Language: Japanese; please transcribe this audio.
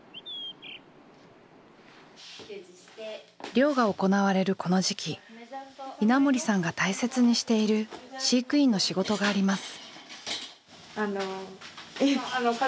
漁が行われるこの時期稲森さんが大切にしている飼育員の仕事があります。